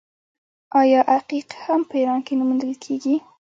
آیا عقیق هم په ایران کې نه موندل کیږي؟